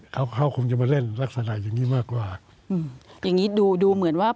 เขาเขาคงจะมาเล่นลักษณะอย่างงี้มากกว่าอืมอย่างงี้ดูดูเหมือนว่า